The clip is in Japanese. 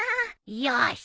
よし！